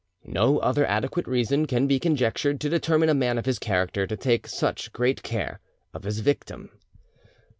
No other adequate reason can be conjectured to determine a man of his character to take such great care of his victim.